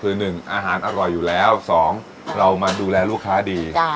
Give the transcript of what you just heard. คือ๑อาหารอร่อยอยู่แล้ว๒เรามาดูแลลูกค้าดี